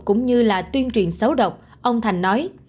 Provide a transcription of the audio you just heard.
cũng như là tuyên truyền xấu độc ông thành nói